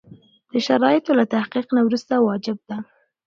د شرایطو له تحقق نه وروسته واجب ده.